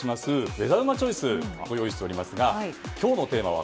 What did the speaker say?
ウェザうまチョイスをご用意しておりますが今日のテーマは